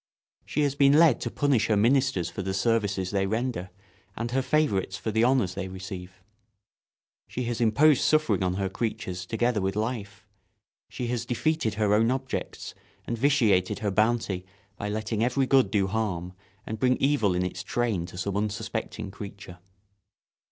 She has been led to punish her ministers for the services they render and her favourites for the honours they receive. She has imposed suffering on her creatures together with life; she has defeated her own objects and vitiated her bounty by letting every good do harm and bring evil in its train to some unsuspecting creature.